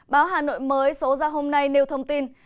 báo hà nội mới số ra hôm nay nêu thông tin